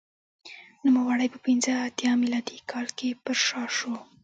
نوموړی په پنځه اتیا میلادي کال کې پرشا شو